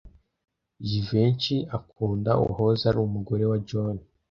Jivency akunda uwahoze ari umugore wa John.